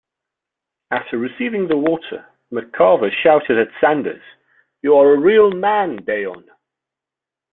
After receiving the water, McCarver shouted at Sanders, You are a real man, Deion.